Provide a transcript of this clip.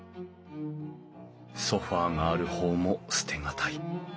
ソファーがある方も捨て難い。